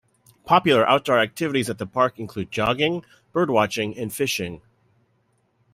Popular outdoor activities at the park include jogging, birdwatching and fishing.